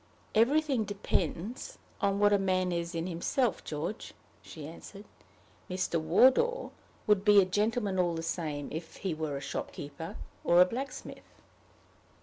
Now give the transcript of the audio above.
"Everything depends on what a man is in himself, George," she answered. "Mr. Wardour would be a gentleman all the same if he were a shopkeeper or a blacksmith."